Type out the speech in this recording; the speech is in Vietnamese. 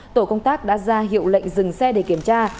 tổ công tác đã ra hiệu lệnh dừng xe để kiểm tra